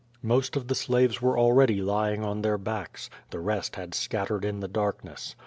Most of the slaves were already lying on their backs. The rest had scattered in the darkness.